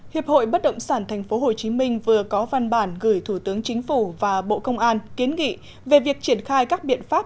hiệp hội bất động sản tp hcm vừa có văn bản gửi thủ tướng chính phủ và bộ công an kiến nghị về việc triển khai các biện pháp